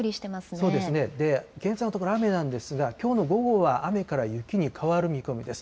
そうですね、現在のところ雨なんですが、きょうの午後は雨から雪に変わる見込みです。